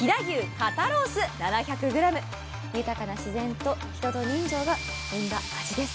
豊かな自然と人情が生んだ味です。